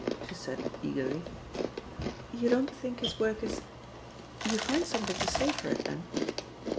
she said eagerly. "You don't think his work is — you find something to say for it, then?"